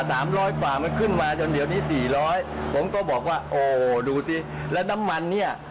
สามร้อยกว่ามันขึ้นมาจนเดี๋ยวนี้สี่ร้อยผมก็บอกว่าโอ้ดูสิแล้วน้ำมันเนี้ย